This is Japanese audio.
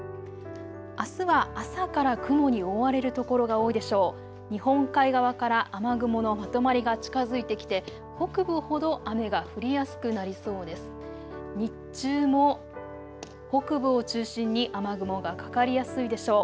あすは朝から雲に覆われる所が多いでしょう。